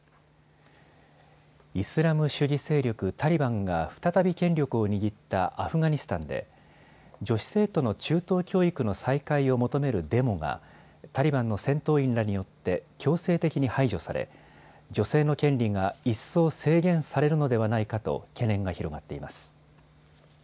イスラム主義勢力タリバンが再び権力を握ったアフガニスタンで女子生徒の中等教育の再開を求めるデモがタリバンの戦闘員らによって強制的に排除され女性の権利が一層制限されるのではないかと懸念が広がっています。